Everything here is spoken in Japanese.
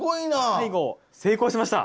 最後成功しました。